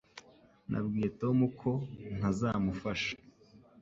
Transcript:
Nabwiye Tom ko ntazamufasha